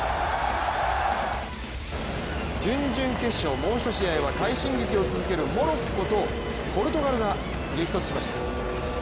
準々決勝もう一試合は快進撃を続けるモロッコとポルトガルが激突しました。